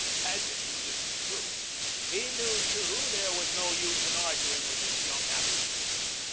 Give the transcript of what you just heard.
Paget knew this was true. He knew, too, there was no use in arguing with this young athlete.